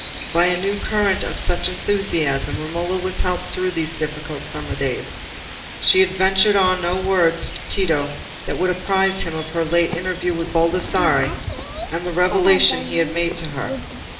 By a new current of such enthusiasm Romola was helped through these difficult summer days. She had ventured on no words to Tito that would apprise him of her late interview with Baldassarre, and the revelation he had made to her.